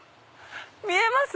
見えます？